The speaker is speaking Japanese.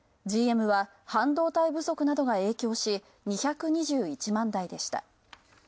ＧＭは半導体不足などが影響し、２２１万台でした。